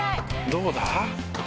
「どうだ？」